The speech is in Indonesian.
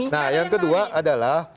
nah yang kedua adalah